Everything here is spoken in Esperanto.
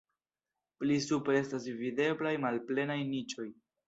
Pli supre estas videblaj malplenaj niĉoj.